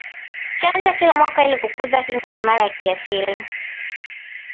Chanja kila mwaka ili kukuza kinga imara ya kiasili